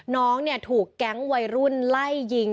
น้องถูกแก๊งวัยรุ่นไล่ยิง